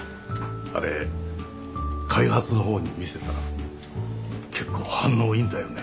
あれ開発の方に見せたら結構反応いいんだよね。